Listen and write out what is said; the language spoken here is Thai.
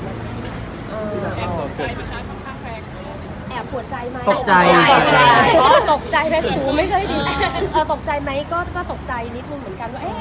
เออตกใจไหมก็ตกใจนิดนึงเหมือนกันก็